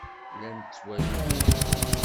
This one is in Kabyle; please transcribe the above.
Llan ttwalin tiliẓri.